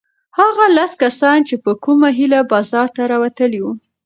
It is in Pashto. هغه لس کسان چې په کومه هیله بازار ته راوتلي وو؟